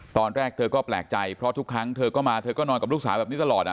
ตอนแรกเธอก็แปลกใจเพราะทุกครั้งเธอก็มาเธอก็นอนกับลูกสาวแบบนี้ตลอด